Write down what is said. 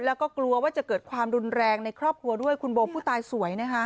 แล้วก็กลัวว่าจะเกิดความรุนแรงในครอบครัวด้วยคุณโบผู้ตายสวยนะคะ